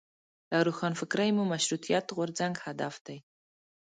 له روښانفکرۍ مو مشروطیت غورځنګ هدف دی.